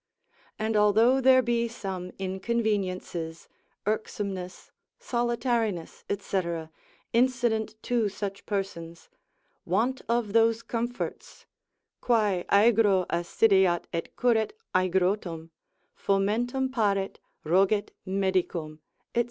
And although there be some inconveniences, irksomeness, solitariness, &c., incident to such persons, want of those comforts, quae, aegro assideat et curet aegrotum, fomentum paret, roget medicum, &c.